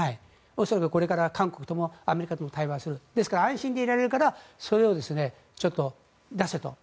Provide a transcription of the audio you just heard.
恐らくこれから韓国ともアメリカとも対話をするですから、安心でいられるからそれをちょっと出せと。